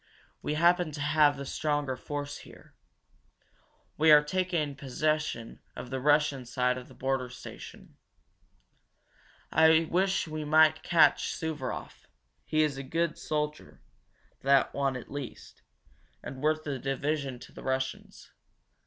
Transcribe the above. "We happen to have the stronger force here. We are taking possession of the Russian side of the border station! I wish we might catch Suvaroff he is a good soldier, that one at least, and worth a division to the Russians.